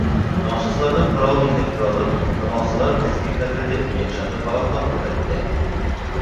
Тамашасыларҙың һорауын иҫәпкә алып, камалсылар был спектаклде йәкшәмбе ҡабатлап күрһәтте.